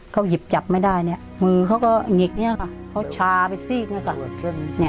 เขาหยิบจับไม่ได้เนี่ยมือเขาก็หงิกเนี่ยค่ะเขาชาไปซีกเนี่ยค่ะ